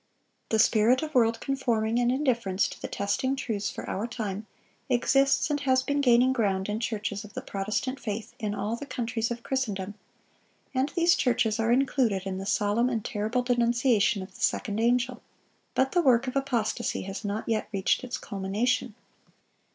The spirit of world conforming and indifference to the testing truths for our time, exists and has been gaining ground in churches of the Protestant faith in all the countries of Christendom; and these churches are included in the solemn and terrible denunciation of the second angel. But the work of apostasy has not yet reached its culmination.